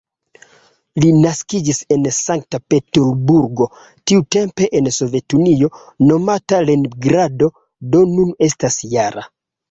Li naskiĝis en Sankt-Peterburgo, tiutempe en Sovetunio nomata "Leningrado", do nun estas -jara.